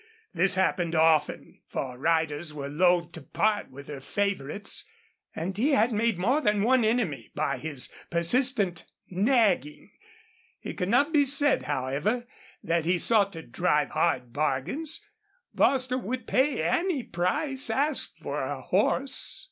This happened often, for riders were loath to part with their favorites. And he had made more than one enemy by his persistent nagging. It could not be said, however, that he sought to drive hard bargains. Bostil would pay any price asked for a horse.